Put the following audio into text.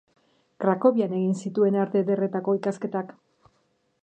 Krakovian egin zituen Arte Ederretako ikasketak.